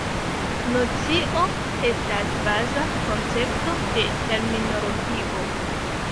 Nocio estas baza koncepto de terminologio.